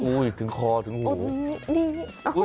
อุ๊ยถึงคอถึงหู